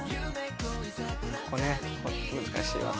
これね難しい技。